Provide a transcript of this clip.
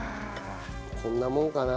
こんなもんかな？